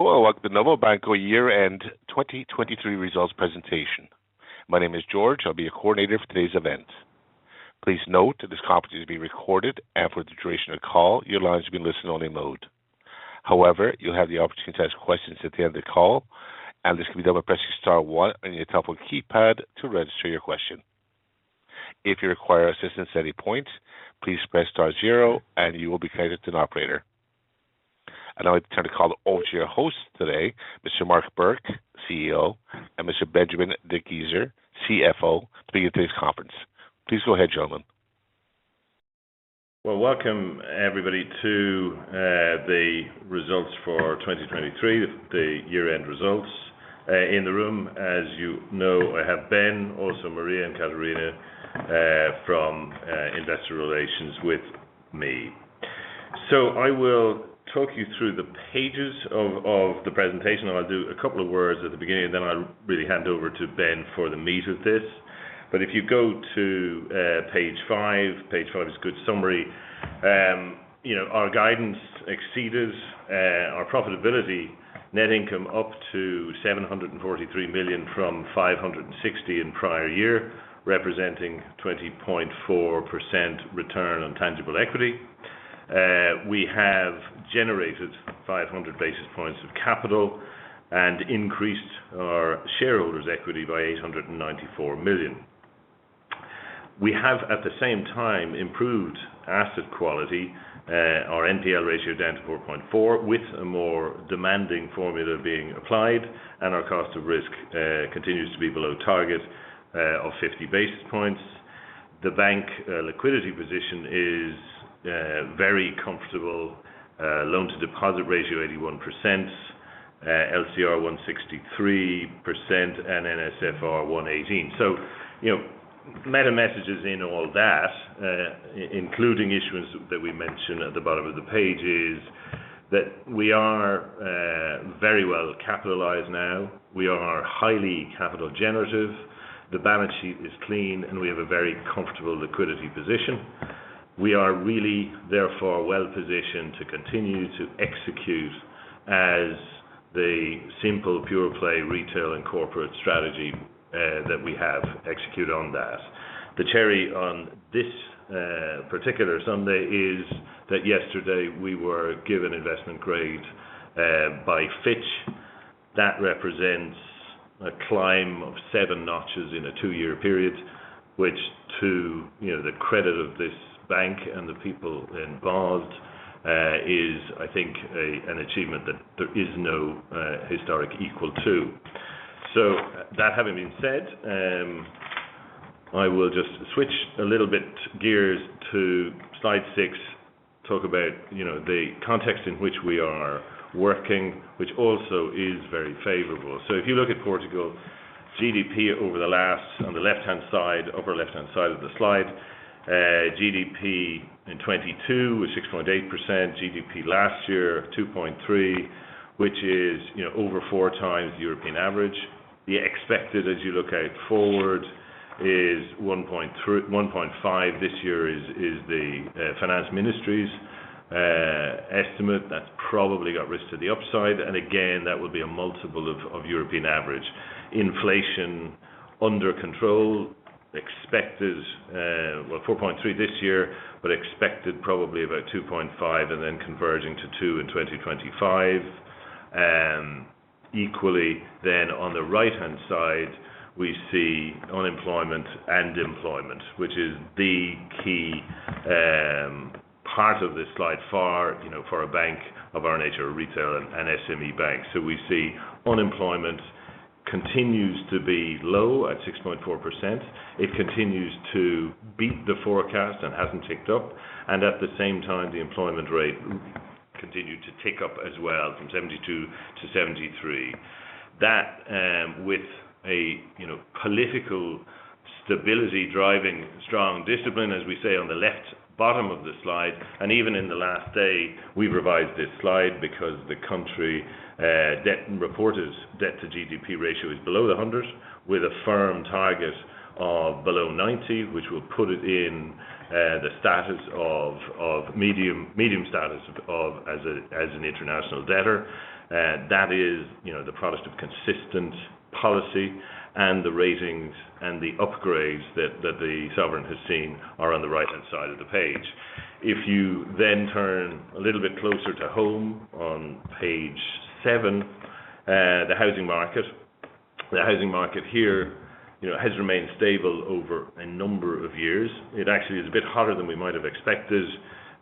Hello, welcome to Novo Banco Year-End 2023 results presentation. My name is George. I'll be your coordinator for today's event. Please note that this conference is being recorded, and for the duration of the call, your line will be in listen-only mode. However, you'll have the opportunity to ask questions at the end of the call, and this can be done by pressing star one on your telephone keypad to register your question. If you require assistance at any point, please press star zero, and you will be connected to an operator. I'd now like to turn the call over to your host today, Mr. Mark Bourke, CEO, `Mr. Benjamin Dickgiesser, CFO, to begin today's conference. Please go ahead, gentlemen. Well, welcome everybody to the results for 2023, the year-end results. In the room, as you know, I have Ben, also Maria and Catarina, from Investor Relations with me. So I will talk you through the pages of the presentation. I'll do a couple of words at the beginning, and then I'll really hand over to Ben for the meat of this. But if you go to page five, page five is a good summary. You know, our guidance exceeded, our profitability net income up to 743 million from 560 million in prior year, representing 20.4% return on tangible equity. We have generated 500 basis points of capital and increased our shareholders' equity by 894 million. We have, at the same time, improved asset quality, our NPL ratio down to 4.4, with a more demanding formula being applied, and our cost of risk continues to be below target of 50 basis points. The bank liquidity position is very comfortable. Loan to deposit ratio, 81%, LCR 163%, and NSFR 118. So, you know, meta messages in all that, including issuance that we mention at the bottom of the page, is that we are very well capitalized now. We are highly capital generative. The balance sheet is clean, and we have a very comfortable liquidity position. We are really therefore well positioned to continue to execute as the simple pure play retail and corporate strategy that we have executed on that. The cherry on this particular sundae is that yesterday we were given investment grade by Fitch. That represents a climb of 7 notches in a two-year period, which to, you know, the credit of this bank and the people involved, is, I think, a, an achievement that there is no historic equal to. So that having been said, I will just switch a little bit gears to slide six. Talk about, you know, the context in which we are working, which also is very favorable. So if you look at Portugal, GDP over the last, on the left-hand side, upper left-hand side of the slide, GDP in 2022 was 6.8%, GDP last year, 2.3%, which is, you know, over 4x the European average. The expected, as you look out forward, is 1.5% this year is the finance ministry's estimate. That's probably got risk to the upside, and again, that would be a multiple of European average. Inflation under control, expected, well, 4.3% this year, but expected probably about 2.5% and then converging to 2% in 2025. Equally then, on the right-hand side, we see unemployment and employment, which is the key part of this slide for, you know, for a bank of our nature, a retail and SME bank. So we see unemployment continues to be low at 6.4%. It continues to beat the forecast and hasn't ticked up, and at the same time, the employment rate continued to tick up as well from 72% to 73. That, with a, you know, political stability driving strong discipline, as we say on the left bottom of the slide, and even in the last day, we revised this slide because the country debt-reported debt to GDP ratio is below 100, with a firm target of below 90, which will put it in the status of medium status as an international debtor. That is, you know, the product of consistent policy and the ratings and the upgrades that the sovereign has seen are on the right-hand side of the page. If you then turn a little bit closer to home on page seven, the housing market. The housing market here, you know, has remained stable over a number of years. It actually is a bit hotter than we might have expected,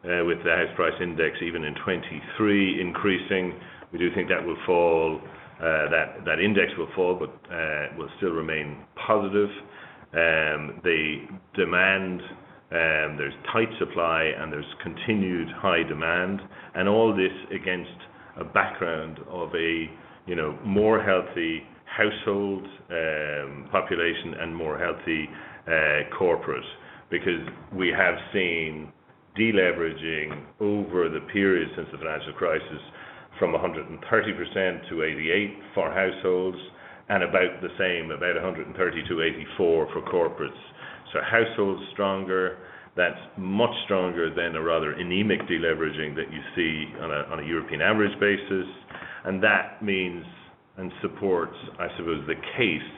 with the house price index even in 2023 increasing. We do think that will fall, that index will fall, but will still remain positive. The demand, there's tight supply and there's continued high demand, and all this against a background of a, you know, more healthy household population and more healthy corporate. Because we have seen deleveraging over the period since the financial crisis from 130% to 88% for households, and about the same, about 130% to 84% for corporates. So households stronger, that's much stronger than a rather anemic deleveraging that you see on a European average basis. And that means, and supports, I suppose, the case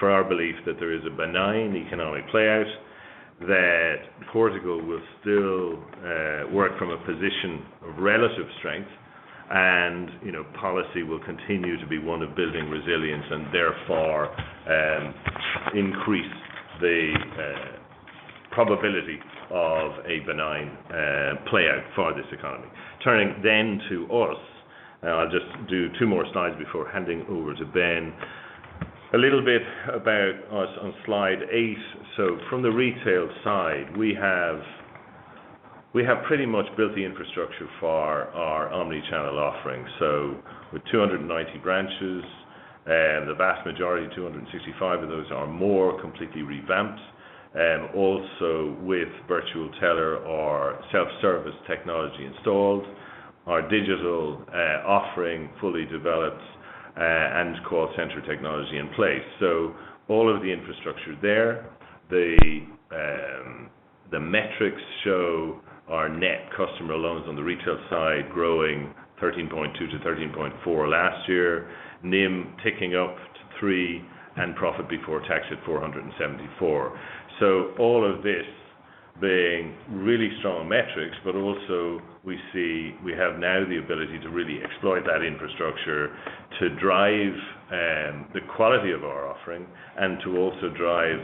for our belief that there is a benign economic playout, that Portugal will still work from a position of relative strength. And, you know, policy will continue to be one of building resilience, and therefore, increase the probability of a benign playout for this economy. Turning then to us, and I'll just do two more slides before handing over to Ben. A little bit about us on slide eight. So from the retail side, we have pretty much built the infrastructure for our omni-channel offering. So with 290 branches, the vast majority, 265 of those, are more completely revamped, also with virtual teller or self-service technology installed, our digital offering fully developed, and call center technology in place. So all of the infrastructure is there. The metrics show our net customer loans on the retail side growing 13.2% to 13.4% last year, NIM ticking up to 3%, and profit before tax at 474 million. So all of this being really strong metrics, but also we see we have now the ability to really exploit that infrastructure to drive the quality of our offering, and to also drive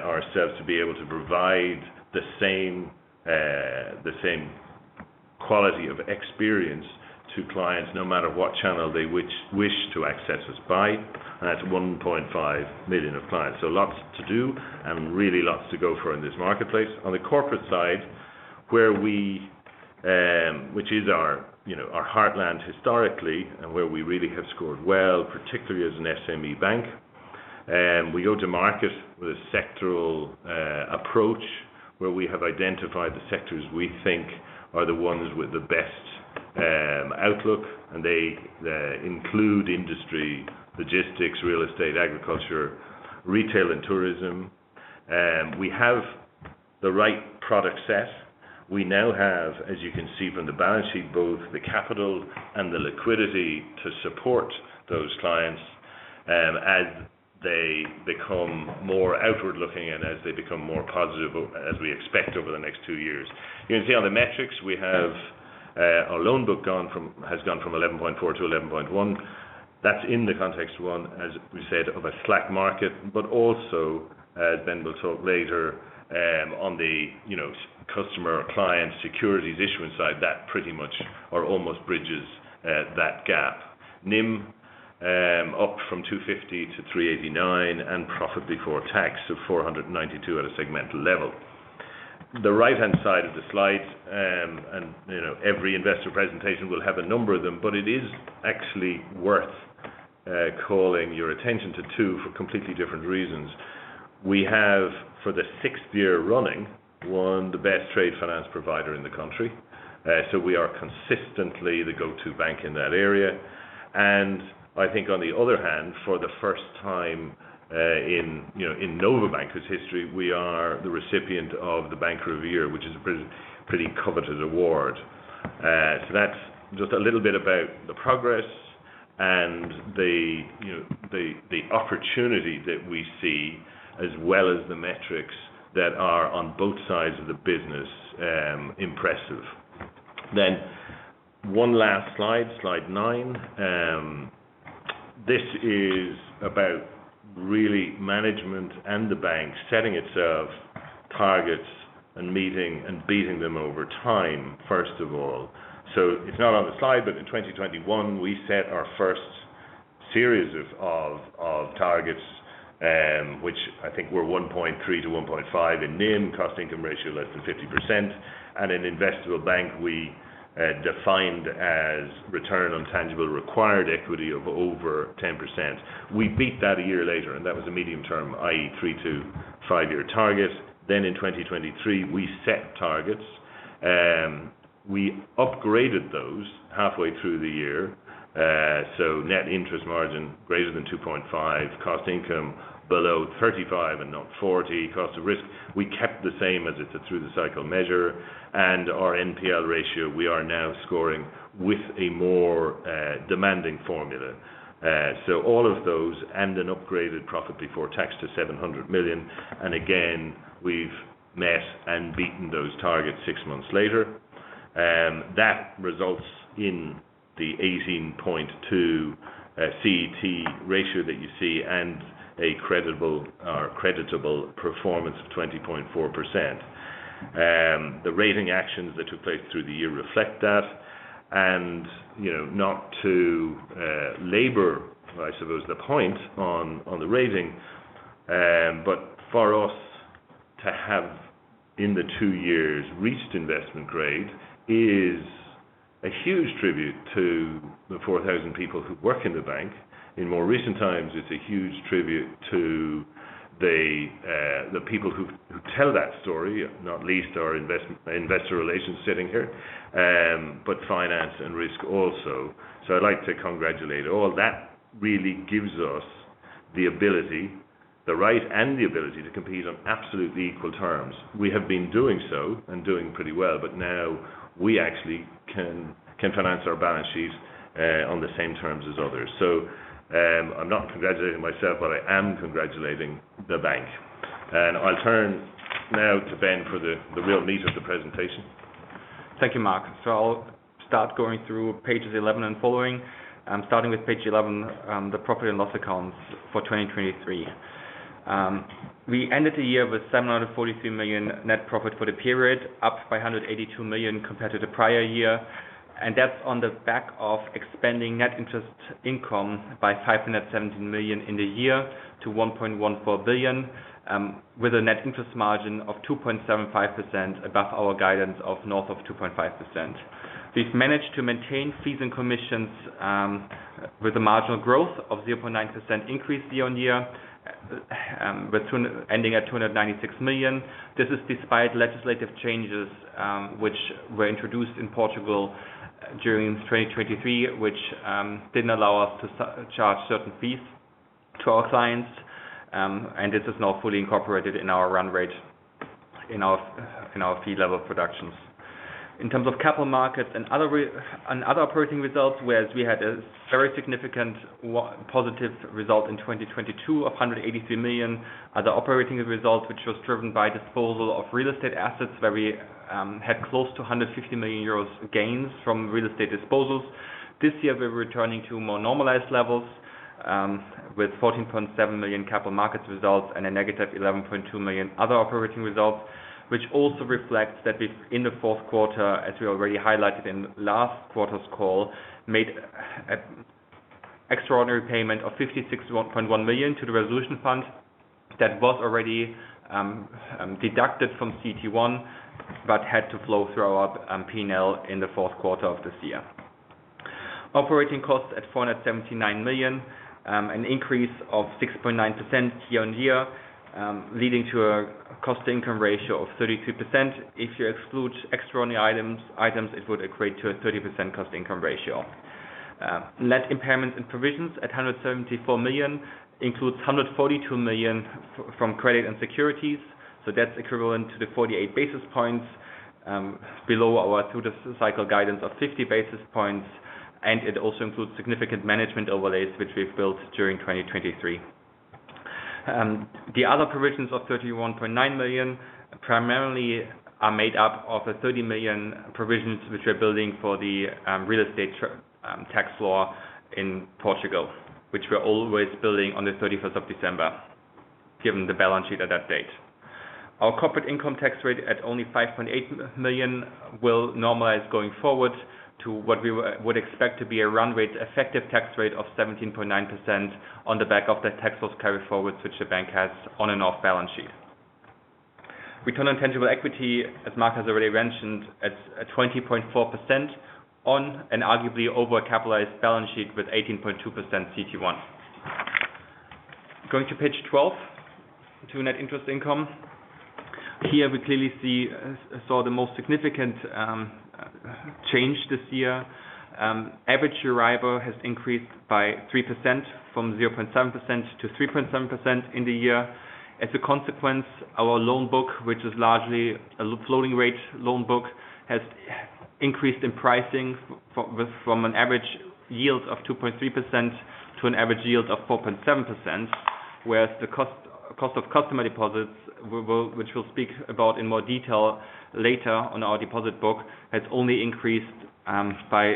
ourselves to be able to provide the same, the same quality of experience to clients no matter what channel they wish, wish to access us by. And that's 1.5 million of clients. So lots to do, and really lots to go for in this marketplace. On the corporate side, where we, which is our, you know, our heartland historically, and where we really have scored well, particularly as an SME bank. We go to market with a sectoral approach, where we have identified the sectors we think are the ones with the best outlook, and they include industry, logistics, real estate, agriculture, retail, and tourism. We have the right product set. We now have, as you can see from the balance sheet, both the capital and the liquidity to support those clients as they become more outward-looking and as they become more positive, as we expect over the next two years. You can see on the metrics we have, our loan book has gone from 11.4% to 11.1%. That's in the context, one, as we said, of a slack market, but also, as Ben will talk later, on the, you know, customer or client securities issuance side, that pretty much or almost bridges that gap. NIM up from 2.50% to 3.89%, and profit before tax to 492 at a segmental level. The right-hand side of the slide, you know, every investor presentation will have a number of them, but it is actually worth calling your attention to two for completely different reasons. We have, for the sixth year running, won the Best Trade Finance Provider in the country. So we are consistently the go-to bank in that area. And I think on the other hand, for the first time, in, you know, in Novo Banco's history, we are the recipient of the Bank of the Year, which is a pretty, pretty coveted award. So that's just a little bit about the progress and the, you know, the, the opportunity that we see, as well as the metrics that are on both sides of the business, impressive. Then one last slide, slide nine. This is about really management and the bank setting itself targets and meeting and beating them over time, first of all. So it's not on the slide, but in 2021, we set our first series of targets, which I think were 1.3%-1.5% in NIM, cost-to-income ratio, less than 50%. And in investment bank, we defined as return on tangible equity of over 10%. We beat that a year later, and that was a medium-term, i.e., three-five-year target. Then in 2023, we set targets, we upgraded those halfway through the year. So net interest margin greater than 2.5%, cost income below 35 and not 40. Cost of risk, we kept the same as it's a through-the-cycle measure. And our NPL ratio, we are now scoring with a more, demanding formula. So all of those and an upgraded profit before tax to 700 million, and again, we've met and beaten those targets six months later. That results in the 18.2, CET ratio that you see, and a creditable or creditable performance of 20.4%. The rating actions that took place through the year reflect that. You know, not to labor, I suppose, the point on the rating, but for us to have, in the two years, reached Investment Grade, is a huge tribute to the 4,000 people who work in the bank. In more recent times, it's a huge tribute to the people who've joined to tell that story, not least our investor relations sitting here, but finance and risk also. So I'd like to congratulate all. That really gives us the ability, the right, and the ability to compete on absolutely equal terms. We have been doing so and doing pretty well, but now we actually can finance our balance sheet on the same terms as others. So I'm not congratulating myself, but I am congratulating the bank. I'll turn now to Ben for the real meat of the presentation. Thank you, Mark. So I'll start going through pages 11 and following. Starting with page 11, the profit and loss accounts for 2023. We ended the year with 743 million net profit for the period, up by 182 million compared to the prior year. And that's on the back of expanding net interest income by 517 million in the year to 1.14 billion, with a net interest margin of 2.75% above our guidance of north of 2.5%. We've managed to maintain fees and commissions, with a marginal growth of 0.9% increase year-on-year, but ending at 296 million. This is despite legislative changes, which were introduced in Portugal during 2023, which didn't allow us to charge certain fees to our clients. And this is now fully incorporated in our run rate, in our, in our fee level productions. In terms of capital markets and other and other operating results, whereas we had a very significant positive result in 2022 of 183 million. Other operating results, which was driven by disposal of real estate assets, where we had close to 150 million euros gains from real estate disposals. This year, we're returning to more normalized levels, with 14.7 million capital markets results and a negative 11.2 million other operating results. Which also reflects that we've, in the fourth quarter, as we already highlighted in last quarter's call, made a extraordinary payment of 56.1 million to the Resolution Fund. That was already deducted from CET1, but had to flow through our P&L in the fourth quarter of this year. Operating costs at 479 million, an increase of 6.9% year-on-year, leading to a cost-to-income ratio of 32%. If you exclude extraordinary items, it would equate to a 30% cost-income ratio. Net impairments and provisions at 174 million, includes 142 million from credit and securities, so that's equivalent to the 48 basis points, below our through-the-cycle guidance of 50 basis points, and it also includes significant management overlays, which we've built during 2023. The other provisions of 31.9 million primarily are made up of 30 million provisions, which we're building for the real estate transfer tax law in Portugal, which we're always building on the 31st of December, given the balance sheet at that date. Our corporate income tax rate at only 5.8 million will normalize going forward to what we would expect to be a run rate effective tax rate of 17.9% on the back of the tax loss carry forwards, which the bank has on and off balance sheet. Return on tangible equity, as Mark has already mentioned, at 20.4% on an arguably overcapitalized balance sheet with 18.2% CET1. Going to page 12, to net interest income. Here, we clearly see we saw the most significant change this year. Average Euribor has increased by 3%, from 0.7% to 3.7% in the year. As a consequence, our loan book, which is largely a floating rate loan book, has increased in pricing from an average yield of 2.3% to an average yield of 4.7%. Whereas the cost of customer deposits, which we'll speak about in more detail later on our deposit book, has only increased by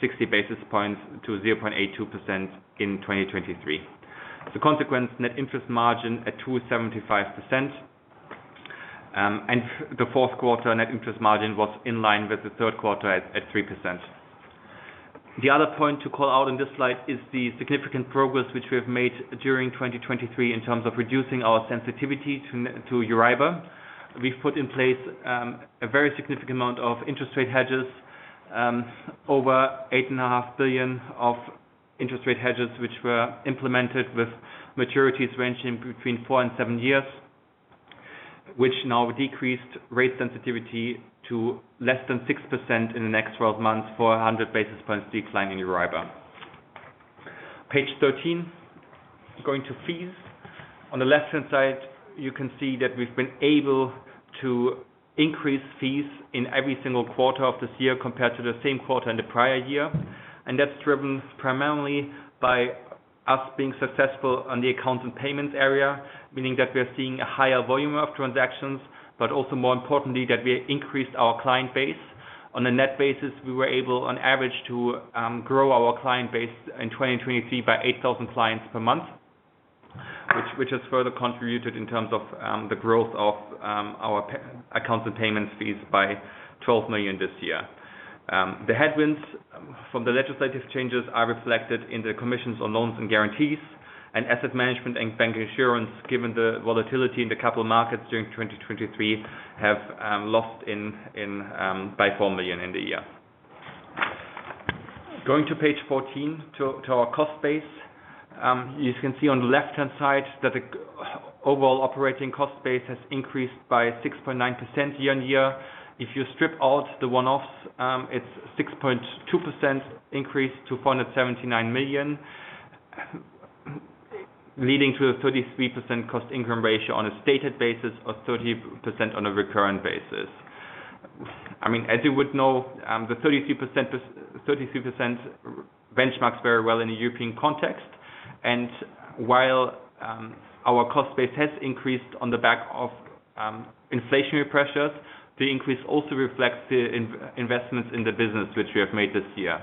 60 basis points to 0.82% in 2023. As a consequence, net interest margin at 2.75%, and the fourth quarter net interest margin was in line with the third quarter at 3%. The other point to call out on this slide is the significant progress that we have made during 2023, in terms of reducing our sensitivity to Euribor. We've put in place a very significant amount of interest rate hedges over 8.5 billion of interest rate hedges, which were implemented with maturities ranging between 4-7 years. Which now decreased rate sensitivity to less than 6% in the next 12 months, for a 100 basis points decline in Euribor. Page 13, going to fees. On the left-hand side, you can see that we've been able to increase fees in every single quarter of this year compared to the same quarter in the prior year. And that's driven primarily by us being successful on the accounts and payments area, meaning that we are seeing a higher volume of transactions, but also, more importantly, that we increased our client base. On a net basis, we were able, on average, to grow our client base in 2023 by 8,000 clients per month. Which has further contributed in terms of the growth of our accounts and payment fees by 12 million this year. The headwinds from the legislative changes are reflected in the commissions on loans and guarantees, and asset management and bank insurance, given the volatility in the capital markets during 2023, have lost by 4 million in the year. Going to page 14, to our cost base. You can see on the left-hand side that the overall operating cost base has increased by 6.9% year-on-year. If you strip out the one-offs, it's a 6.2% increase to 479 million, leading to a 33% cost income ratio on a stated basis, or 30% on a recurrent basis. I mean, as you would know, the 33% benchmarks very well in the European context. And while our cost base has increased on the back of inflationary pressures, the increase also reflects the investments in the business which we have made this year.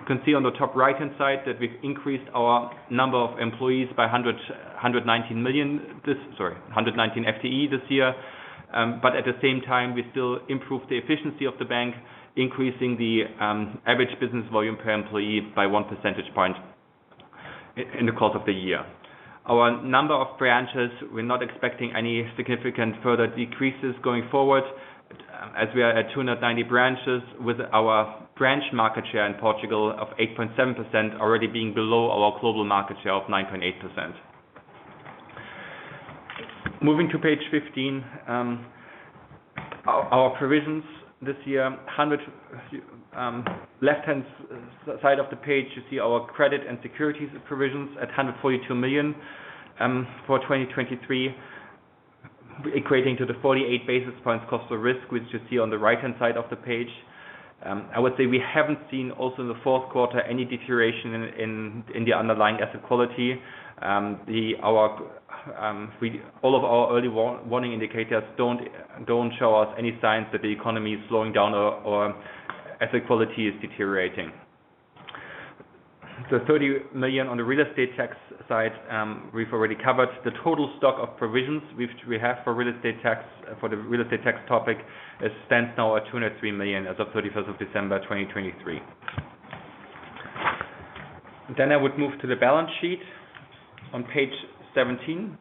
You can see on the top right-hand side, that we've increased our number of employees by 119 FTE this year. But at the same time, we still improved the efficiency of the bank, increasing the average business volume per employee by one percentage point in the course of the year. Our number of branches, we're not expecting any significant further decreases going forward, as we are at 290 branches, with our branch market share in Portugal of 8.7% already being below our global market share of 9.8%. Moving to page 15, our provisions this year, left-hand side of the page, you see our credit and securities provisions at 142 million for 2023. Equating to the 48 basis points cost of risk, which you see on the right-hand side of the page. I would say we haven't seen also in the fourth quarter any deterioration in the underlying asset quality. All of our early warning indicators don't show us any signs that the economy is slowing down or asset quality is deteriorating. The 30 million on the real estate tax side, we've already covered. The total stock of provisions which we have for real estate tax, for the real estate tax topic, it stands now at 203 million as of 31st of December, 2023. Then I would move to the balance sheet on page 17.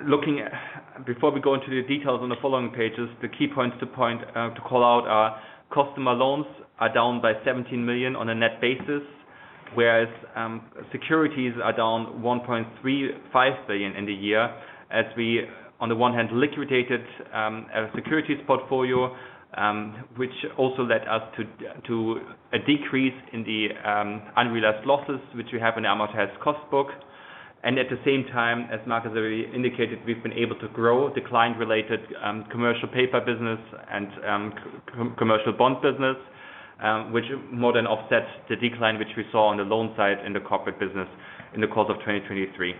Looking at, before we go into the details on the following pages, the key points to call out are customer loans are down by 17 million on a net basis, whereas securities are down 1.35 billion in the year. As we, on the one hand, liquidated a securities portfolio, which also led us to a decrease in the unrealized losses, which we have in our amortized cost book. And at the same time, as Mark already indicated, we've been able to grow the client-related commercial paper business and commercial bond business, which more than offsets the decline, which we saw on the loan side in the corporate business in the course of 2023.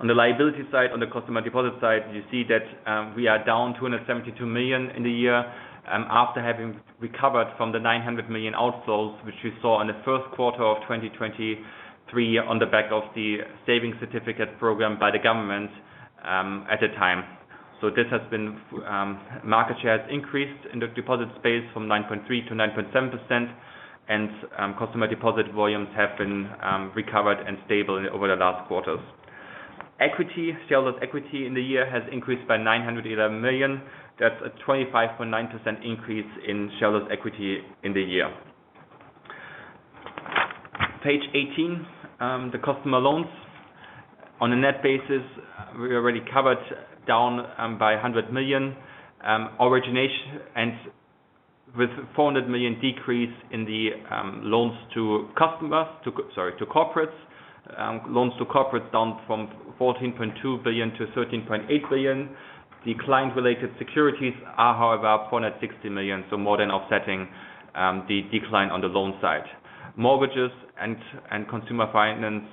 On the liability side, on the customer deposit side, you see that we are down 272 million in the year, after having recovered from the 900 million outflow, which we saw in the first quarter of 2023, on the back of the savings certificate program by the government at the time. So this has been, market share has increased in the deposit space from 9.3%-9.7% and customer deposit volumes have been recovered and stable over the last quarters. Equity, shareholder equity in the year has increased by 911 million, that's a 25.9% increase in shareholder equity in the year. Page 18, the customer loans. On a net basis, we already covered down by 100 million origination and with 400 million decrease in the loans to customers, sorry, to corporates. Loans to corporates down from 14.2 billion to 13.8 billion. The client-related securities are, however, 460 million, so more than offsetting the decline on the loan side. Mortgages and consumer finance,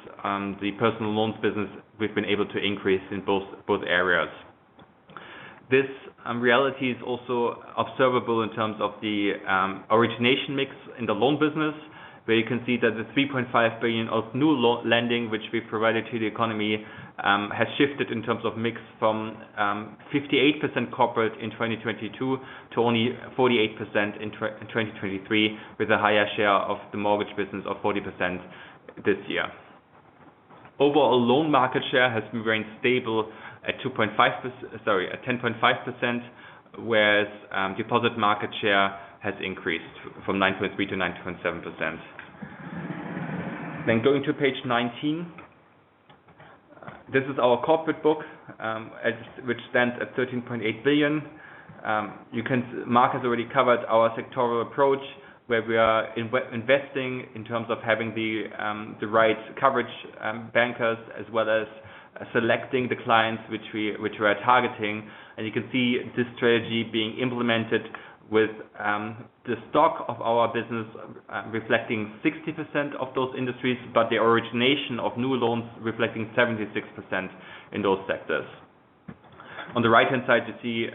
the personal loans business, we've been able to increase in both areas. This reality is also observable in terms of the origination mix in the loan business, where you can see that the 3.5 billion of new lending, which we provided to the economy, has shifted in terms of mix from 58% corporate in 2022 to only 48% in 2023, with a higher share of the mortgage business of 40% this year. Overall loan market share has remained stable at 10.5%, whereas deposit market share has increased from 9.3% to 9.7%. Then going to page 19, this is our corporate book, as which stands at 13.8 billion. Mark has already covered our sectoral approach, where we are investing in terms of having the right coverage, bankers, as well as selecting the clients which we, which we are targeting. And you can see this strategy being implemented with, the stock of our business, reflecting 60% of those industries, but the origination of new loans reflecting 76% in those sectors. On the right-hand side, you see,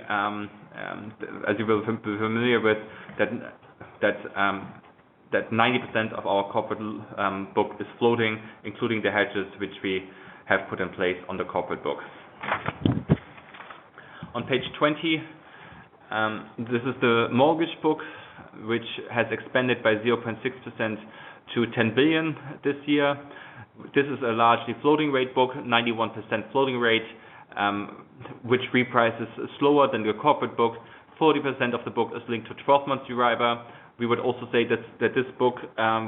as you will be familiar with, that 90% of our corporate book is floating, including the hedges, which we have put in place on the corporate book. On page 20, this is the mortgage book, which has expanded by 0.6% to 10 billion this year. This is a largely floating rate book, 91% floating rate, which reprices slower than the corporate book. 40% of the book is linked to 12-month Euribor. We would also say that this book,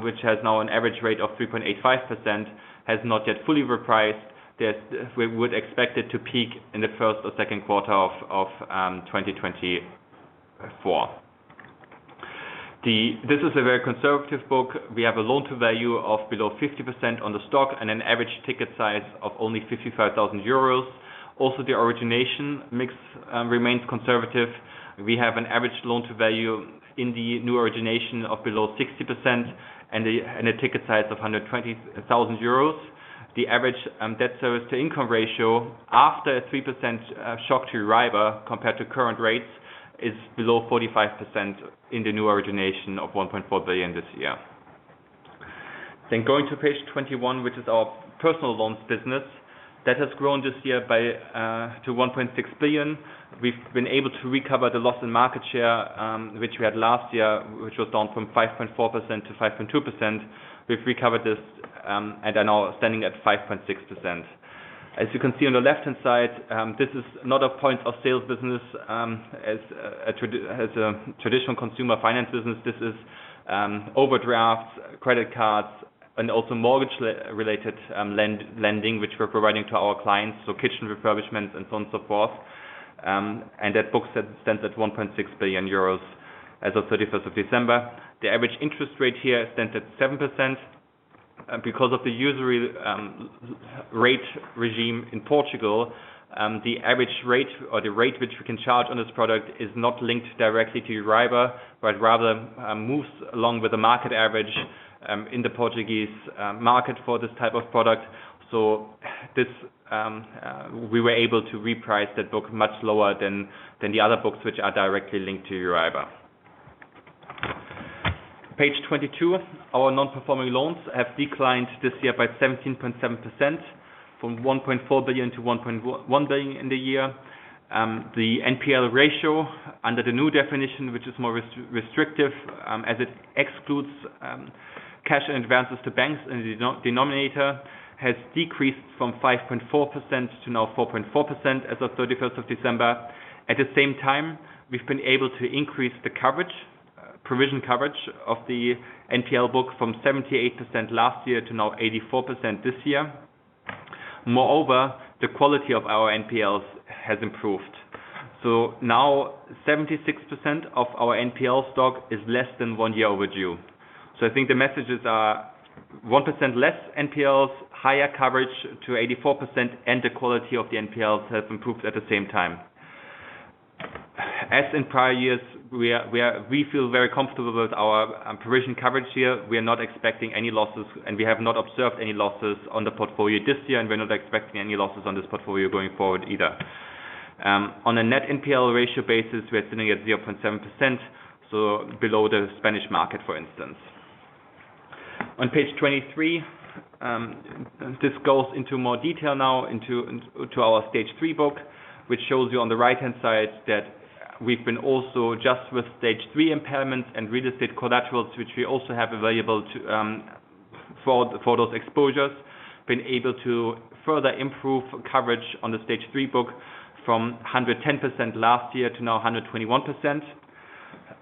which has now an average rate of 3.85%, has not yet fully repriced, that we would expect it to peak in the first or second quarter of 2024. This is a very conservative book. We have a loan-to-value of below 50% on the stock, and an average ticket size of only 55,000 euros. Also, the origination mix remains conservative. We have an average loan-to-value in the new origination of below 60%, and a ticket size of 120,000 euros. The average debt service to income ratio, after a 3% shock to Euribor, compared to current rates, is below 45% in the new origination of 1.4 billion this year. Then going to page 21, which is our personal loans business, that has grown this year by to 1.6 billion. We've been able to recover the loss in market share, which we had last year, which was down from 5.4% to 5.2%. We've recovered this and are now standing at 5.6%. As you can see on the left-hand side, this is not a point of sales business as a traditional consumer finance business. This is overdraft, credit cards, and also mortgage-related lending, which we're providing to our clients, so kitchen refurbishments and so on, so forth. And that book set stands at 1.6 billion euros as of 31st of December. The average interest rate here stands at 7%, because of the usury rate regime in Portugal, the average rate or the rate which we can charge on this product is not linked directly to Euribor, but rather, moves along with the market average in the Portuguese market for this type of product. So this, we were able to reprice that book much lower than the other books, which are directly linked to Euribor. Page 22, our non-performing loans have declined this year by 17.7%, from 1.4 billion to 1.1 billion in the year. The NPL ratio under the new definition, which is more restrictive, as it excludes cash advances to banks, and the denominator, has decreased from 5.4% to now 4.4% as of 31 December. At the same time, we've been able to increase the coverage, provision coverage of the NPL book from 78% last year to now 84% this year. Moreover, the quality of our NPLs has improved. So now 76% of our NPL stock is less than one year overdue. So I think the messages are 1% less NPLs, higher coverage to 84%, and the quality of the NPLs has improved at the same time. As in prior years, we feel very comfortable with our provision coverage here. We are not expecting any losses, and we have not observed any losses on the portfolio this year, and we're not expecting any losses on this portfolio going forward either. On a net NPL ratio basis, we are sitting at 0.7%, so below the Spanish market, for instance. On page 23, this goes into more detail now into our Stage 3 book, which shows you on the right-hand side that we've been also just with Stage 3 impairments and real estate collaterals, which we also have available to for those exposures. Been able to further improve coverage on the Stage 3 book from 110% last year to now 121%.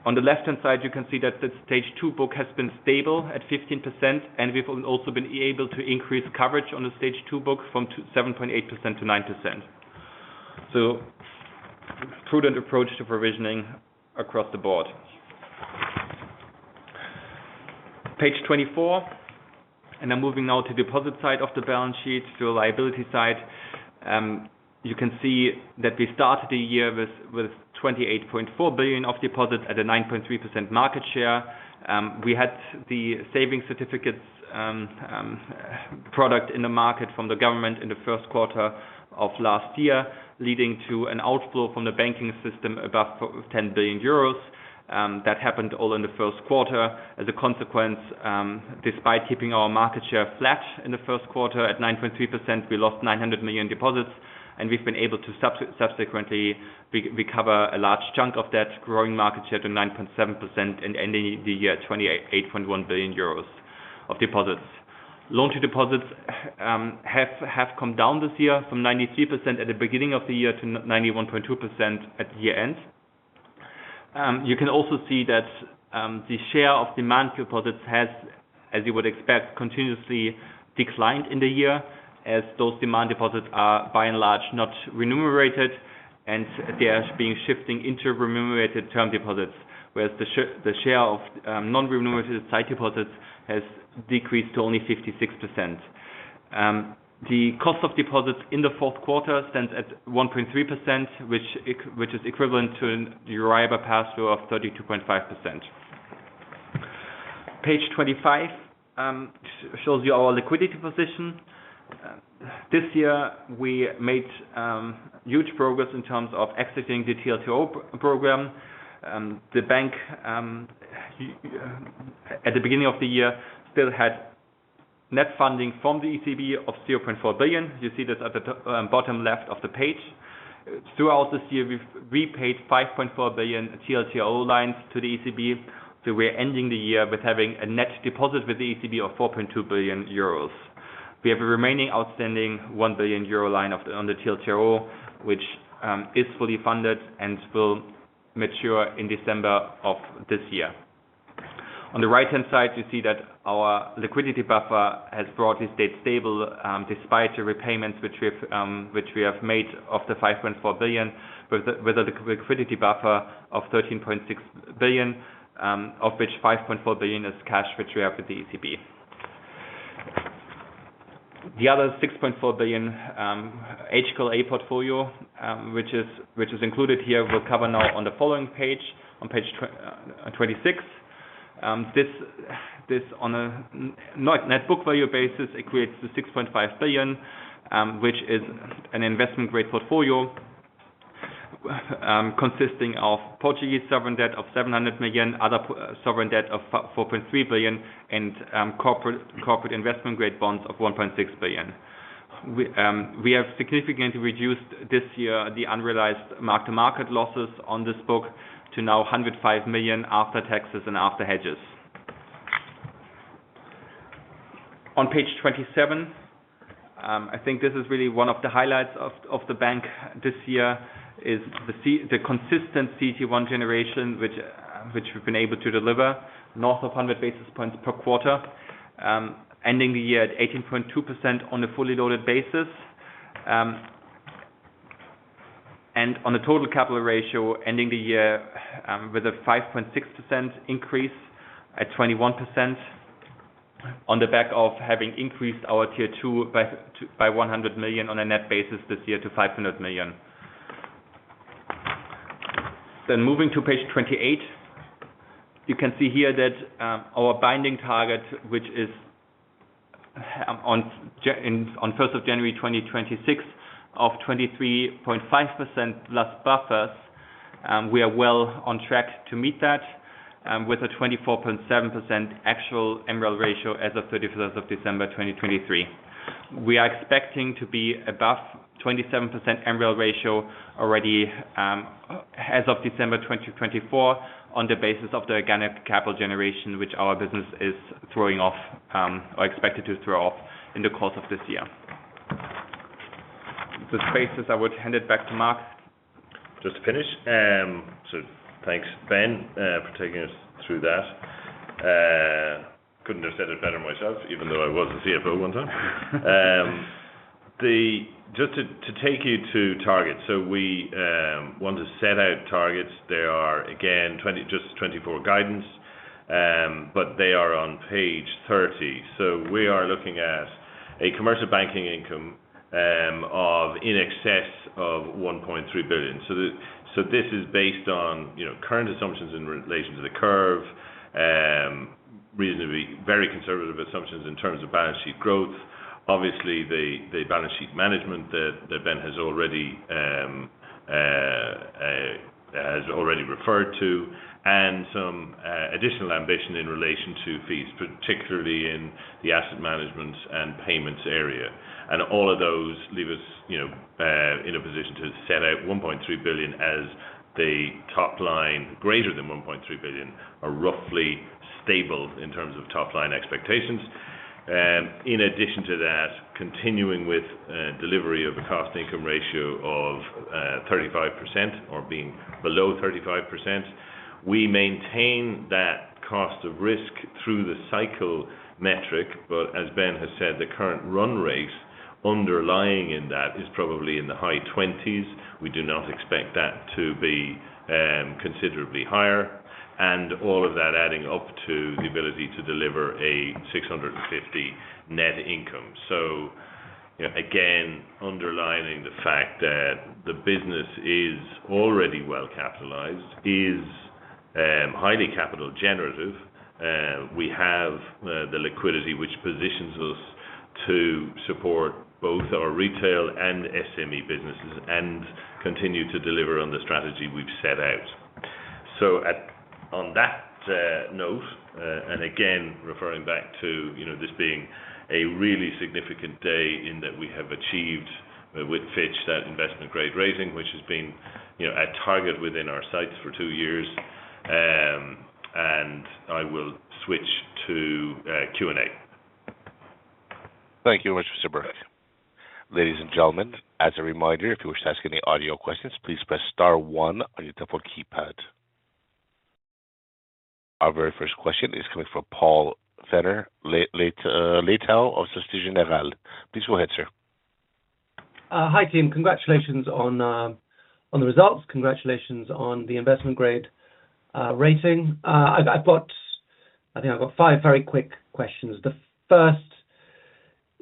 On the left-hand side, you can see that the stage two book has been stable at 15%, and we've also been able to increase coverage on the Stage 2 book from 7.8% to 9%. So prudent approach to provisioning across the board. Page 24, and I'm moving now to deposit side of the balance sheet, to the liability side. You can see that we started the year with 28.4 billion of deposits at a 9.3% market share. We had the savings certificates product in the market from the government in the first quarter of last year, leading to an outflow from the banking system above 10 billion euros. That happened all in the first quarter. As a consequence, despite keeping our market share flat in the first quarter at 9.3%, we lost 900 million deposits, and we've been able to subsequently recover a large chunk of that growing market share to 9.7%, and ending the year at 28.1 billion euros of deposits. Loan to deposits have come down this year from 93% at the beginning of the year to 91.2% at the year-end. You can also see that the share of demand deposits has, as you would expect, continuously declined in the year, as those demand deposits are by and large not remunerated, and they are being shifted into remunerated term deposits. Whereas the share of non-remunerated sight deposits has decreased to only 56%. The cost of deposits in the fourth quarter stands at 1.3%, which is equivalent to an Euribor pass-through of 32.5%. Page 25 shows you our liquidity position. This year, we made huge progress in terms of exiting the TLTRO program. The bank at the beginning of the year still had net funding from the ECB of 0.4 billion. You see this at the bottom left of the page. Throughout this year, we've repaid 5.4 billion TLTRO lines to the ECB. So we're ending the year with having a net deposit with the ECB of 4.2 billion euros. We have a remaining outstanding 1 billion euro line on the TLTRO, which is fully funded and will mature in December of this year. On the right-hand side, you see that our liquidity buffer has broadly stayed stable, despite the repayments which we've, which we have made of the 5.4 billion, with the liquidity buffer of 13.6 billion, of which 5.4 billion is cash, which we have with the ECB. The other 6.4 billion, HQLA portfolio, which is included here, we'll cover now on the following page, on page 26. This, this on a net book value basis, it creates the 6.5 billion, which is an investment grade portfolio, consisting of Portuguese sovereign debt of 700 million, other sovereign debt of 4.3 billion, and corporate investment grade bonds of 1.6 billion. We have significantly reduced this year the unrealized mark-to-market losses on this book to now 105 million after taxes and after hedges. On page 27, I think this is really one of the highlights of the bank this year, is the consistent CET1 generation, which we've been able to deliver north of 100 basis points per quarter. Ending the year at 18.2% on a fully loaded basis. And on a total capital ratio, ending the year with a 5.6% increase at 21%, on the back of having increased our Tier 2 by 100 million on a net basis this year to 500 million. Then moving to page 28, you can see here that our binding target, which is on first of January 2026, of 23.5% plus buffers, we are well on track to meet that, with a 24.7% actual MREL ratio as of 31st of December 2023. We are expecting to be above 27% MREL ratio already, as of December 2024, on the basis of the organic capital generation, which our business is throwing off or expected to throw off in the course of this year. With this basis, I would hand it back to Mark. Just to finish, so thanks, Ben, for taking us through that. Couldn't have said it better myself, even though I was a CFO one time. Just to take you to targets. So we want to set out targets. They are again, just 2024 guidance, but they are on page 30. So we are looking at a commercial banking income of in excess of 1.3 billion. So this is based on, you know, current assumptions in relation to the curve, reasonably very conservative assumptions in terms of balance sheet growth. Obviously, the balance sheet management that Ben has already referred to, and some additional ambition in relation to fees, particularly in the asset management and payments area. And all of those leave us, you know, in a position to set out 1.3 billion as the top line, greater than 1.3 billion, are roughly stable in terms of top-line expectations. In addition to that, continuing with delivery of a cost income ratio of 35% or being below 35%, we maintain that cost of risk through the cycle metric. But as Ben has said, the current run rates underlying in that is probably in the high twenties. We do not expect that to be considerably higher, and all of that adding up to the ability to deliver a 650 million net income. So, you know, again, underlining the fact that the business is already well capitalized, is highly capital generative, we have the liquidity which positions us to support both our retail and SME businesses, and continue to deliver on the strategy we've set out. So on that note, and again, referring back to, you know, this being a really significant day, in that we have achieved with Fitch that investment grade rating, which has been, you know, at target within our sights for two years. And I will switch to Q&A. Thank you very much, Mr. Bourke. Ladies and gentlemen, as a reminder, if you wish to ask any audio questions, please press star one on your telephone keypad. Our very first question is coming from Paul Fenner-Leitao of Societe Generale. Please go ahead, sir. Hi, team. Congratulations on the results. Congratulations on the investment grade rating. I think I've got five very quick questions. The first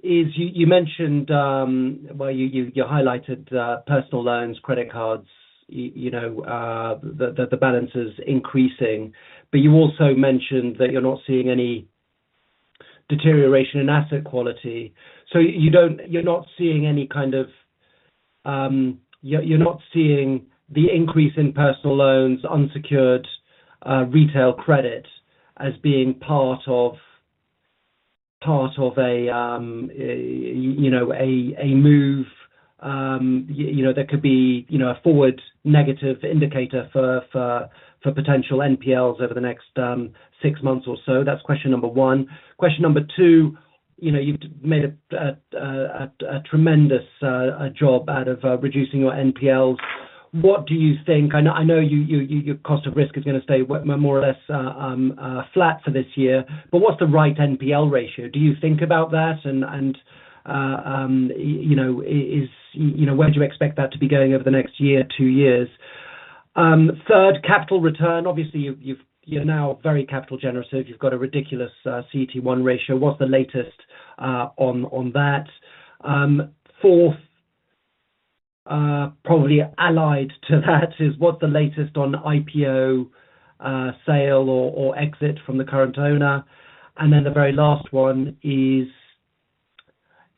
is you mentioned, well, you highlighted personal loans, credit cards, you know, the balance is increasing, but you also mentioned that you're not seeing any deterioration in asset quality. So you're not seeing any kind of, you're not seeing the increase in personal loans, unsecured retail credit, as being part of a you know, a move you know, that could be you know, a forward negative indicator for potential NPLs over the next six months or so? That's question number one. Question number two, you know, you've made a tremendous job out of reducing your NPLs. What do you think? I know your cost of risk is gonna stay more or less flat for this year, but what's the right NPL ratio? Do you think about that, and you know, where do you expect that to be going over the next year, two years? Third, capital return, obviously, you're now very capital generous, so you've got a ridiculous CET1 ratio. What's the latest on that? Fourth, probably allied to that, is what's the latest on IPO, sale or exit from the current owner? Then the very last one is,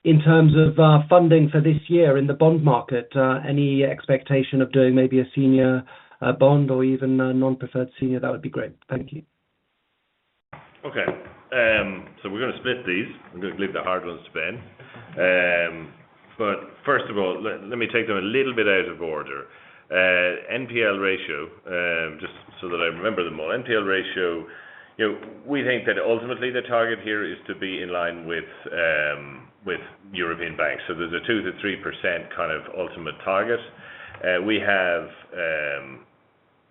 in terms of funding for this year in the bond market, any expectation of doing maybe a senior bond or even a non-preferred senior? That would be great. Thank you. Okay. So we're gonna split these. I'm gonna leave the hard ones to Ben. But first of all, let me take them a little bit out of order. NPL ratio, just so that I remember them all. NPL ratio, you know, we think that ultimately the target here is to be in line with, with European banks, so there's a 2%-3% kind of ultimate target. We have,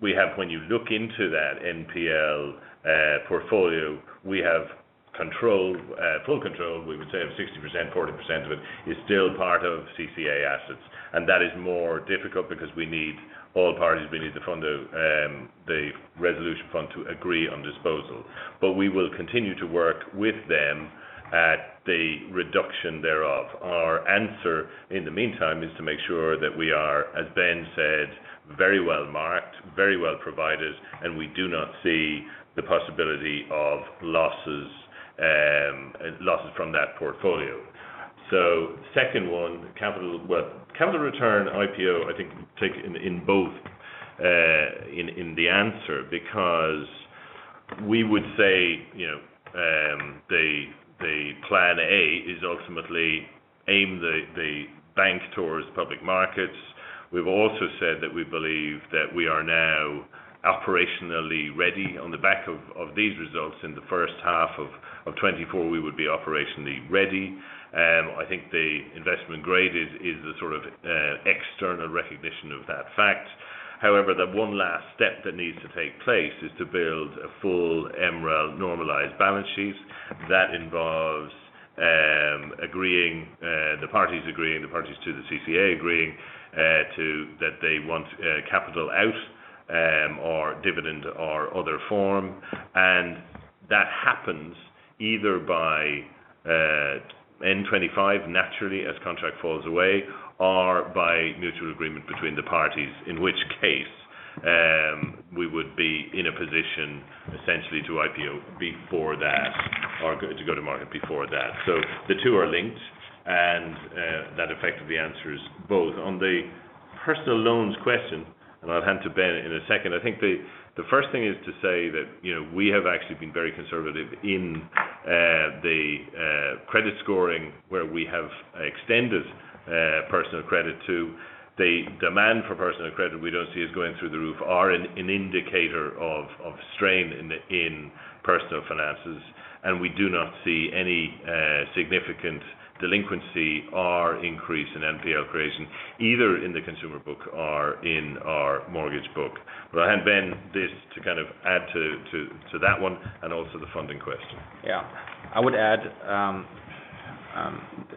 we have when you look into that NPL, portfolio, we have control, full control, we would say of 60%, 40% of it, is still part of CCA assets. And that is more difficult because we need all parties, we need the fund to, the Resolution Fund to agree on disposal. But we will continue to work with them at the reduction thereof. Our answer, in the meantime, is to make sure that we are, as Ben said, very well marked, very well provided, and we do not see the possibility of losses from that portfolio. So second one, capital, well, capital return IPO, I think take in both, in the answer. Because we would say, you know, the plan A is ultimately aim the bank towards public markets. We've also said that we believe that we are now operationally ready on the back of these results. In the first half of 2024, we would be operationally ready. I think the investment grade is, is the sort of, external recognition of that fact. However, the one last step that needs to take place is to build a full MREL normalized balance sheet. That involves agreeing the parties agreeing, the parties to the CCA agreeing to that they want capital out, or dividend, or other form. And that happens either by end 2025, naturally, as contract falls away, or by mutual agreement between the parties. In which case, we would be in a position essentially to IPO before that, or to go to market before that. So the two are linked, and that effectively answers both. On the personal loans question, and I'll hand to Ben in a second, I think the first thing is to say that, you know, we have actually been very conservative in the credit scoring, where we have extended personal credit to. The demand for personal credit we don't see as going through the roof or an indicator of strain in personal finances, and we do not see any significant delinquency or increase in NPL creation, either in the consumer book or in our mortgage book. But I hand Ben this to kind of add to that one, and also the funding question. Yeah. I would add,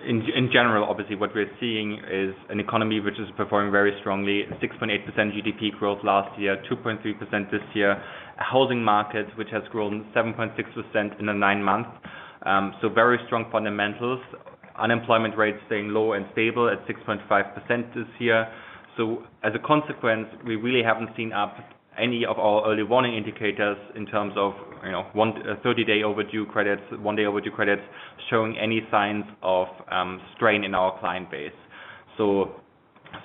in general, obviously, what we're seeing is an economy which is performing very strongly. 6.8% GDP growth last year, 2.3% this year. A housing market which has grown 7.6% in the nine months. So very strong fundamentals. Unemployment rates staying low and stable at 6.5% this year. So as a consequence, we really haven't seen up any of our early warning indicators in terms of, you know, 130-day overdue credits, one-day overdue credits, showing any signs of strain in our client base. So,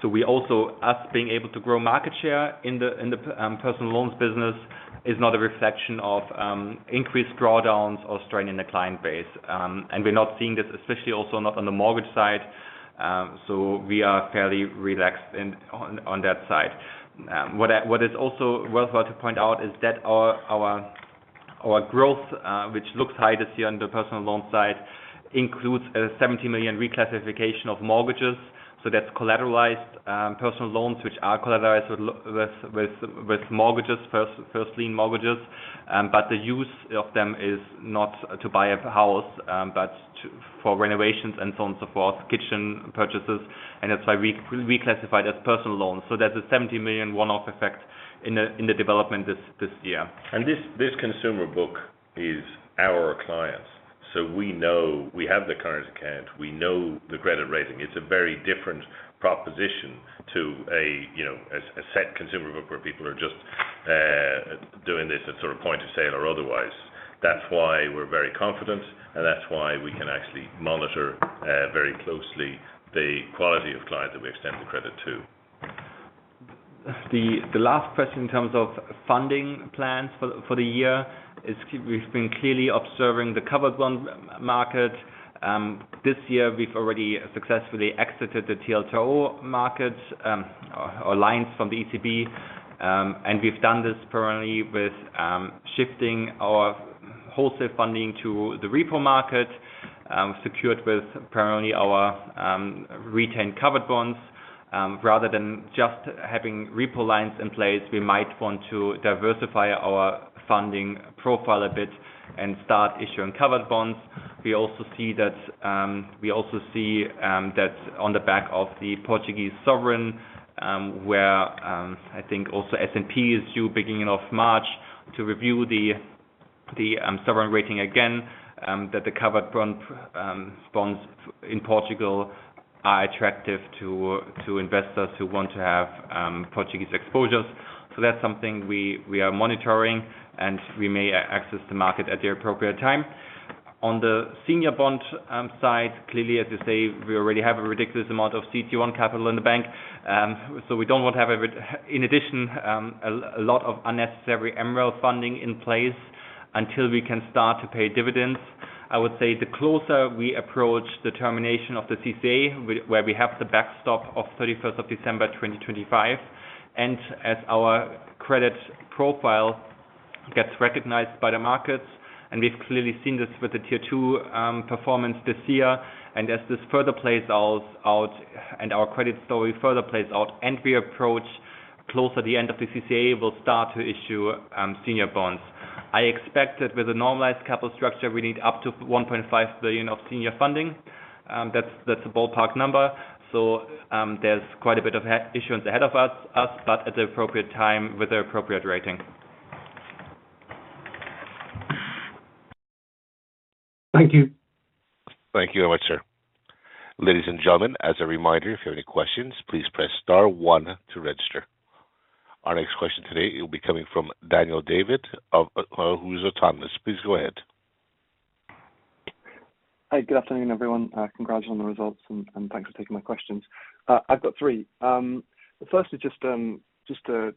we also, us being able to grow market share in the, in the, personal loans business, is not a reflection of, increased drawdowns or strain in the client base and we're not seeing this, especially also not on the mortgage side. So we are fairly relaxed in on that side. What is also worthwhile to point out is that our growth, which looks high this year on the personal loan side, includes a 70 million reclassification of mortgages. So that's collateralized personal loans, which are collateralized with mortgages, first lien mortgages. But the use of them is not to buy a house, but for renovations and so on and so forth, kitchen purchases, and that's why we reclassified as personal loans. So that's a 70 million one-off effect in the development this year. This, this consumer book is our clients, so we know we have the current account, we know the credit rating. It's a very different proposition to a, you know, a set consumer book where people are just doing this at sort of point of sale or otherwise. That's why we're very confident, and that's why we can actually monitor very closely the quality of client that we extend the credit to. .he last question in terms of funding plans for the year is we've been clearly observing the covered bond market. This year we've already successfully exited the TLTRO market, or lines from the ECB. And we've done this primarily with shifting our wholesale funding to the repo market, secured with primarily our retained covered bonds. Rather than just having repo lines in place, we might want to diversify our funding profile a bit and start issuing covered bonds. We also see that, we also see, that on the back of the Portuguese sovereign, where I think also S&P is due beginning of March, to review the sovereign rating again, that the covered bonds in Portugal are attractive to investors who want to have Portuguese exposures. So that's something we are monitoring, and we may access the market at the appropriate time. On the senior bond side, clearly, as I say, we already have a ridiculous amount of CET1 capital in the bank. So we don't want to have, in addition, a lot of unnecessary MREL funding in place, until we can start to pay dividends. I would say the closer we approach the termination of the CCA, where we have the backstop of 31st of December, 2025, and as our credit profile gets recognized by the markets, and we've clearly seen this with the Tier 2 performance this year. And as this further plays out, and our credit story further plays out, and we approach closer to the end of the CCA, we'll start to issue senior bonds. I expect that with a normalized capital structure, we need up to 1.5 billion of senior funding. That's a ballpark number. So, there's quite a bit of issuance ahead of us, but at the appropriate time, with the appropriate rating. Thank you. Thank you very much, sir. Ladies and gentlemen, as a reminder, if you have any questions, please press star one to register. Our next question today will be coming from Daniel David of Autonomous. Please go ahead. Hi, good afternoon, everyone. Congrats on the results, and thanks for taking my questions. I've got three. The first is just to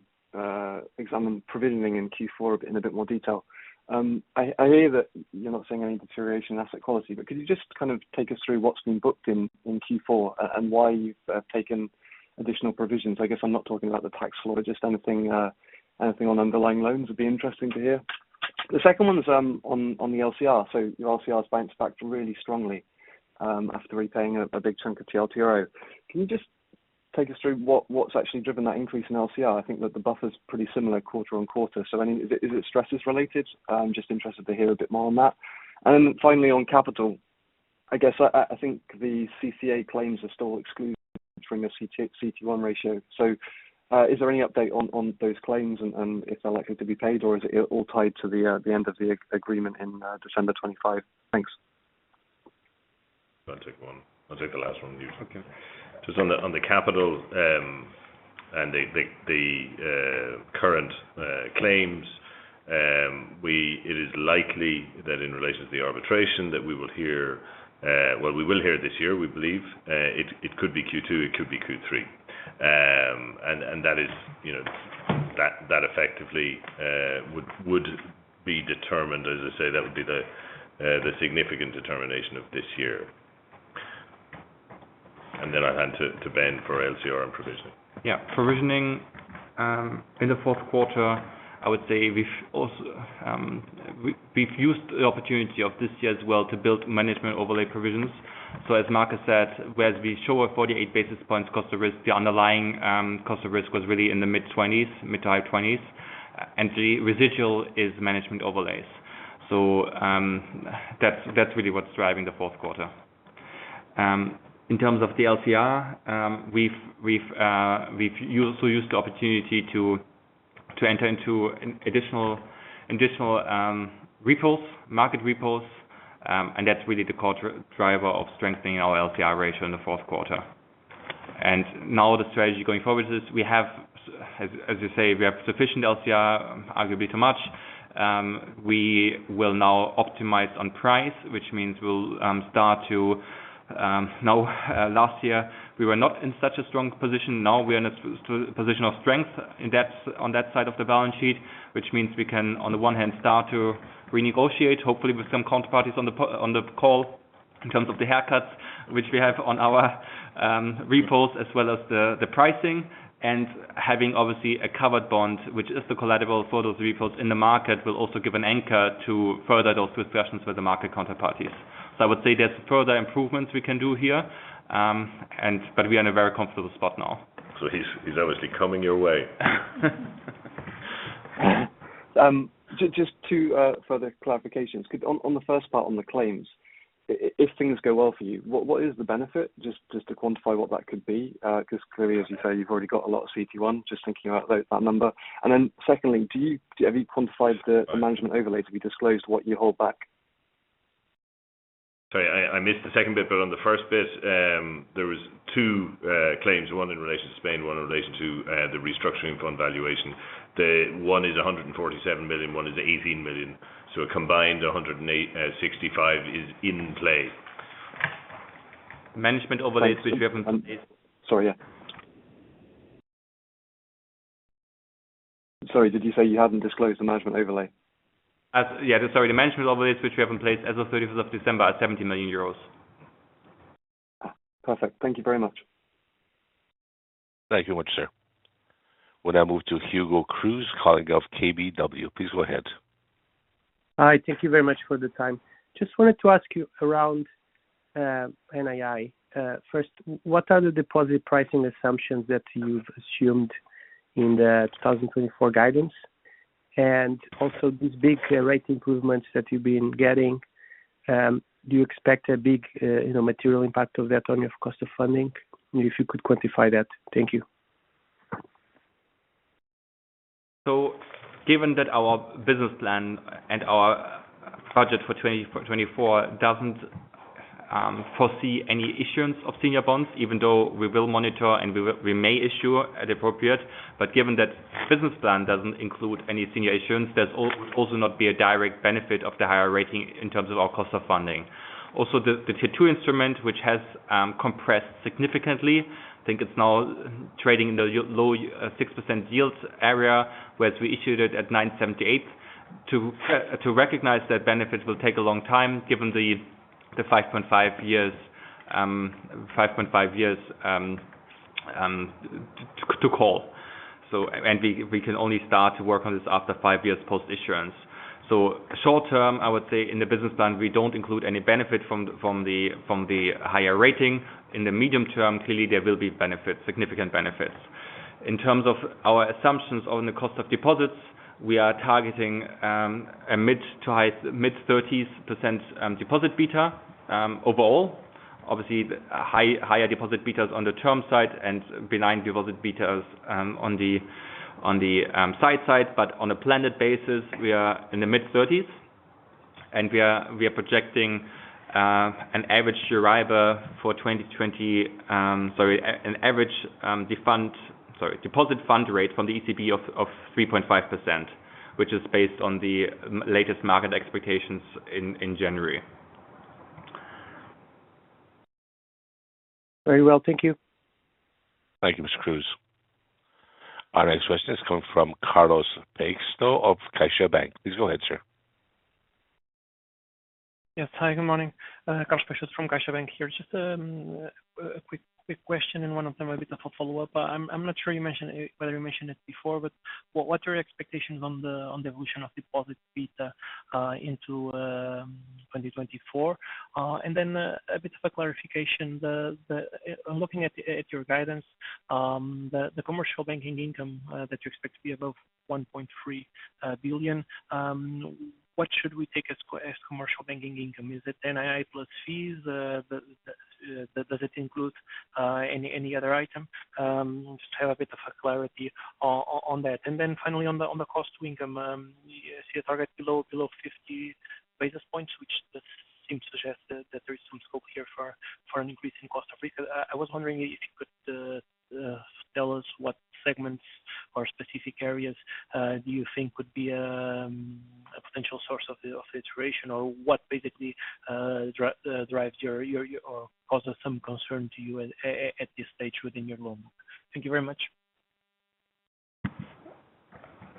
examine provisioning in Q4 in a bit more detail. I hear that you're not seeing any deterioration in asset quality, but could you just kind of take us through what's been booked in Q4, and why you've taken additional provisions? I guess I'm not talking about the tax law, just anything on underlying loans would be interesting to hear. The second one is on the LCR. So your LCRs bounced back really strongly after repaying a big chunk of TLTRO. Can you just take us through what's actually driven that increase in LCR? I think that the buffer is pretty similar quarter-on-quarter, so I mean, is it, is it stresses related? Just interested to hear a bit more on that. And then finally, on capital. I guess, I think the CCA claims are still excluded from your CET1 ratio. So, is there any update on those claims and if they're likely to be paid, or is it all tied to the end of the agreement in December 2025? Thanks. I'll take one. I'll take the last one, you. Okay. Just on the capital and the current claims, it is likely that in relation to the arbitration, that we will hear, well, we will hear this year, we believe. It could be Q2, it could be Q3. And that is, you know, that effectively would be determined, as I say, that would be the significant determination of this year. And then I'll hand to Ben for LCR and provisioning. Yeah. Provisioning in the fourth quarter, I would say we've also used the opportunity of this year as well to build management overlay provisions. So as Mark said, whereas we show a 48 basis points cost of risk, the underlying cost of risk was really in the mid-20s, mid- to high 20s. And the residual is management overlays. So that's really what's driving the fourth quarter. In terms of the LCR, we've used the opportunity to enter into an additional repos, market repos. And that's really the core driver of strengthening our LCR ratio in the fourth quarter. And now the strategy going forward is we have, as you say, we have sufficient LCR, arguably too much. We will now optimize on price, which means we'll start to. Now, last year, we were not in such a strong position, now we are in a position of strength in that, on that side of the balance sheet. Which means we can, on the one hand, start to renegotiate, hopefully with some counterparties on the call, in terms of the haircuts, which we have on our repos, as well as the pricing. And having obviously a covered bond, which is the collateral for those repos in the market, will also give an anchor to further those discussions with the market counterparties. So I would say there's further improvements we can do here, but we are in a very comfortable spot now. He's obviously coming your way. Just two further clarifications. Could you, on the first part, on the claims, if things go well for you, what is the benefit? Just to quantify what that could be, because clearly, as you say, you've already got a lot of CET1, just thinking about that number. And then secondly, have you quantified the management overlay to be disclosed what you hold back? Sorry, I missed the second bit, but on the first bit, there was two claims, one in relation to Spain, one in relation to the restructuring fund valuation. One is 147 million, one is 18 million, so a combined 165 million is in play. Management overlays, which we haven't- Sorry, yeah. Sorry, did you say you hadn't disclosed the management overlay? The management overlays, which we have in place as of 30th of December, are 70 million euros. Perfect. Thank you very much. Thank you much, sir. We'll now move to Hugo Cruz, calling from KBW. Please go ahead. Hi, thank you very much for the time. Just wanted to ask you around NII. First, what are the deposit pricing assumptions that you've assumed in the 2024 guidance? And also, these big rate improvements that you've been getting, do you expect a big, you know, material impact of that on your cost of funding? And if you could quantify that. Thank you. So given that our business plan and our budget for 2024 doesn't foresee any issuance of senior bonds, even though we will monitor, and we may issue at appropriate. But given that business plan doesn't include any senior issuance, there's also not be a direct benefit of the higher rating in terms of our cost of funding. Also, the tier two instrument, which has compressed significantly, I think it's now trading in the low 6% yields area, whereas we issued it at 9.78. To recognize that benefit will take a long time, given the 5.5 years to call. And we can only start to work on this after five years post-issuance. So short-term, I would say in the business plan, we don't include any benefit from the higher rating. In the medium term, clearly there will be benefits, significant benefits. In terms of our assumptions on the cost of deposits, we are targeting a mid- to high-30% deposit beta overall. Obviously, the higher deposit betas on the term side and benign deposit betas on the sight side. But on a blended basis, we are in the mid-30s, and we are projecting an average deposit funding rate from the ECB of 3.5%, which is based on the latest market expectations in January. Very well, thank you. Thank you, Mr. Cruz. Our next question is coming from Carlos Peixoto of CaixaBank. Please go ahead, sir. Yes. Hi, good morning. Carlos Peixoto from Caixa Bank here. Just a quick question, and one of them a bit of a follow-up. I'm not sure you mentioned it, whether you mentioned it before, but what are your expectations on the evolution of deposit beta into 2024? And then a bit of a clarification. I'm looking at your guidance, the commercial banking income that you expect to be above 1.3 billion, what should we take as commercial banking income? Is it NII plus fees? Does it include any other item? Just to have a bit of a clarity on that. Then finally, on the cost to income, you see a target below 50 basis points, which seems to suggest that there is some scope here for an increase in cost of labor. I was wondering if you could tell us what segments or specific areas do you think could be a potential source of the deterioration? Or what basically drives or causes some concern to you at this stage within your loan book. Thank you very much.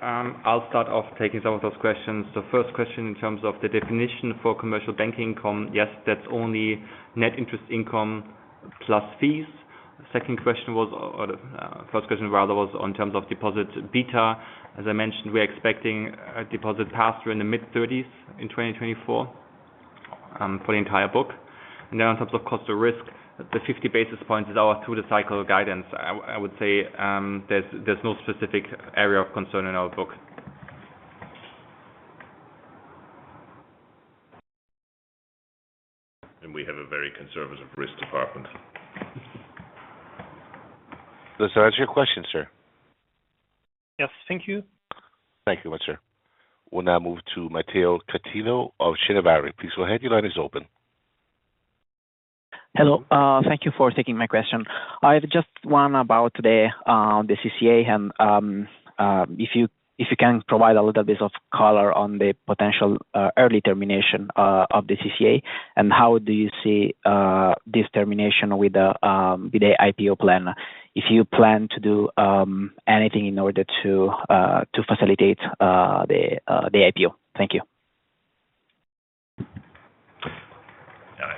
I'll start off taking some of those questions. The first question, in terms of the definition for commercial banking income, yes, that's only net interest income plus fees. Second question was, or the first question rather, was in terms of deposit beta. As I mentioned, we're expecting a deposit beta in the mid-thirties in 2024, for the entire book. And then in terms of cost of risk, the 50 basis points is our through-the-cycle guidance. I would say, there's no specific area of concern in our book. We have a very conservative risk department. Does that answer your question, sir? Yes, thank you. Thank you much, sir. We'll now move to Matteo Catillo of Chenavari. Please go ahead, your line is open. Hello, thank you for taking my question. I have just one about the CCA, and if you can provide a little bit of color on the potential early termination of the CCA. How do you see this termination with the IPO plan? If you plan to do anything in order to facilitate the IPO. Thank you.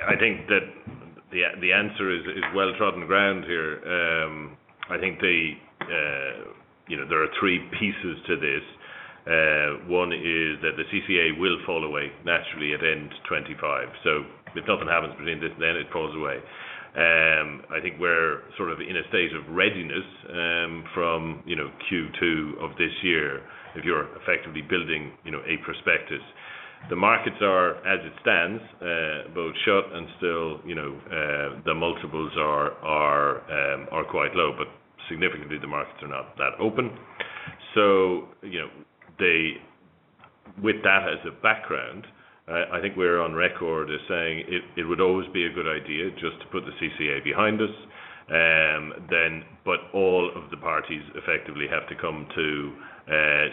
I think that the answer is well-trodden ground here. I think, you know, there are three pieces to this. One is that the CCA will fall away naturally at end 2025. So if nothing happens between this, then it falls away. I think we're in a state of readiness from, you know, Q2 of this year, if you're effectively building, you know, a prospectus. The markets are, as it stands, both short and still, you know, the multiples are quite low, but significantly, the markets are not that open. So, you know, they... With that as a background, I think we're on record as saying it would always be a good idea just to put the CCA behind us. Then, but all of the parties effectively have to come to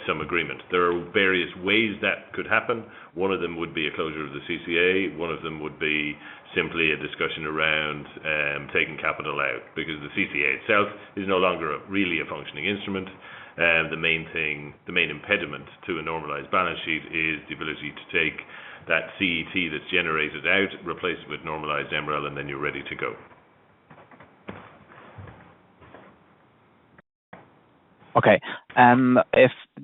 some agreement. There are various ways that could happen. One of them would be a closure of the CCA. One of them would be simply a discussion around taking capital out, because the CCA itself is no longer really a functioning instrument, and the main thing, the main impediment to a normalized balance sheet is the ability to take that CET that's generated out, replace it with normalized MREL, and then you're ready to go. Okay,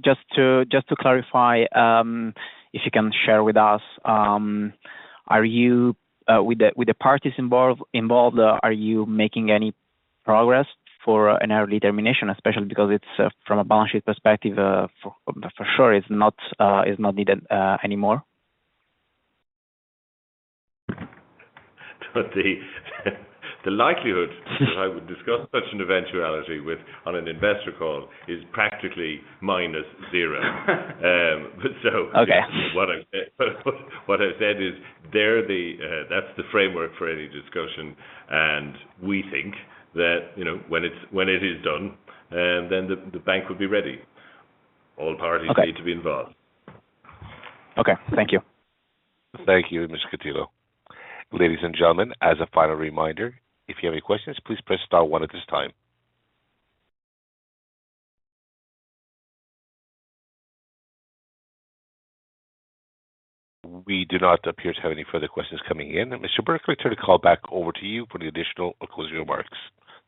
just to clarify, if you can share with us, are you with the parties involved making any progress for an early termination? Especially because it's from a balance sheet perspective, for sure, it's not needed anymore. The likelihood that I would discuss such an eventuality with on an investor call is practically minus zero. But so- Okay. What I said is they're the, that's the framework for any discussion, and we think that, you know, when it's, when it is done, then the, the bank will be ready. All parties- Okay. Need to be involved. Okay. Thank you. Thank you, Mr. Catino. Ladies and gentlemen, as a final reminder, if you have any questions, please press star one at this time. We do not appear to have any further questions coming in. Mr. Bourke, I turn the call back over to you for the additional or closing remarks.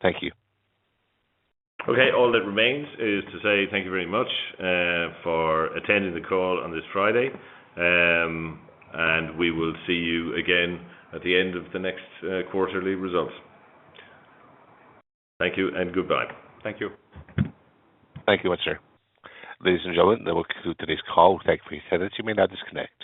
Thank you. Okay. All that remains is to say thank you very much for attending the call on this Friday. We will see you again at the end of the next quarterly results. Thank you and goodbye. Thank you. Thank you much, sir. Ladies and gentlemen, that will conclude today's call. Thank you for your attendance. You may now disconnect.